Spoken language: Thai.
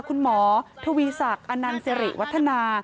คุณหมอทวีศักดิ์อนันต์สิริวัฒนา